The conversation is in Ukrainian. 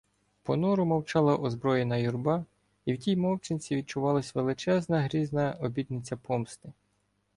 Понуро мовчала озброєна юрба, і в тій мовчанці відчувалася велична, грізна обітниця помсти.